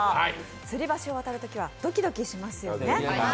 吊り橋を渡るときはドキドキしますよね。